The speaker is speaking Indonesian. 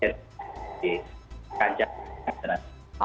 di kancah internasional